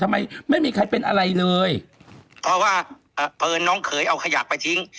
ทำไมไม่มีใครเป็นอะไรเลยเพราะว่าอ่ะพระเอิญน้องเขยเอาขยับไปทิ้ง